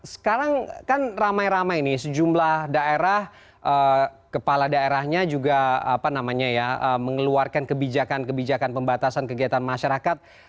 sekarang kan ramai ramai nih sejumlah daerah kepala daerahnya juga mengeluarkan kebijakan kebijakan pembatasan kegiatan masyarakat